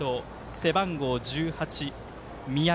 背番号１８、三宅。